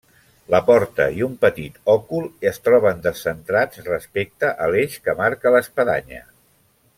La porta i un petit òcul es troben descentrats respecte a l'eix que marca l'espadanya.